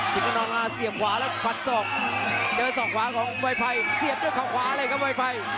นอนมาเสียบขวาแล้วขัดศอกเจอศอกขวาของไวไฟเสียบด้วยเขาขวาเลยครับไวไฟ